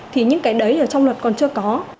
thì những cái đấy trong luật còn chưa có